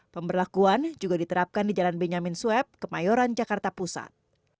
pemberlakuan juga diterapkan di jalan benyamin sueb kemayoran jakarta pusat